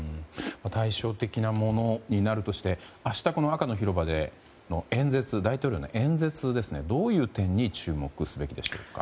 対照的なものになるとして明日、この赤の広場で大統領の演説はどういう点に注目すべきでしょうか。